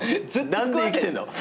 何で生きてんの？